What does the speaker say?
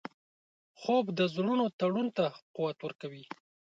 خوب د زړونو تړون ته قوت ورکوي